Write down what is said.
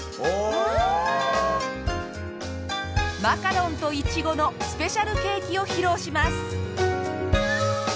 マカロンとイチゴのスペシャルケーキを披露します！